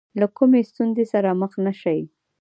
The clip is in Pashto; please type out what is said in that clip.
له کومې ستونزې سره مخ نه شي.